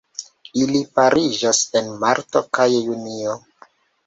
Ili pariĝas en marto kaj junio.